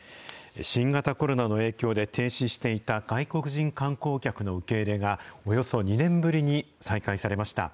新型コロナの影響で停止していた外国人観光客の受け入れが、およそ２年ぶりに再開されました。